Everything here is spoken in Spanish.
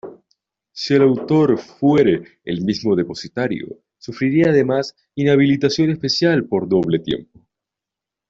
Si el autor fuere el mismo depositario, sufrirá además inhabilitación especial por doble tiempo.